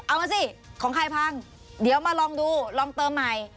มาสิของใครพังเดี๋ยวมาลองดูลองเติมใหม่